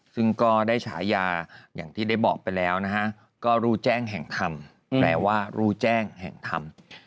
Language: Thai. ซึ่งก็ได้ฉายาอย่างที่ได้บอกไปแล้วนะฮะก็รู้แจ้งแห่งธรรมแปลว่ารู้แจ้งแห่งธรรม